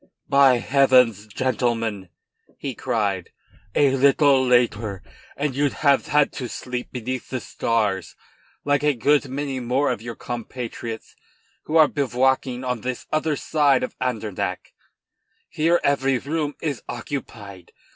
"By heavens! gentlemen," he cried, "a little later and you'd have had to sleep beneath the stars, like a good many more of your compatriots who are bivouacking on the other side of Andernach. Here every room is occupied.